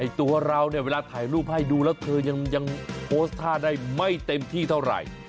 ตัวเราเนี่ยเวลาถ่ายรูปให้ดูแล้วเธอยังโพสต์ท่าได้ไม่เต็มที่เท่าไหร่